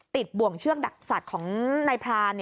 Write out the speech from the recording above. ติดบ่วงเชื่อกดักศัตริย์ของนายภาร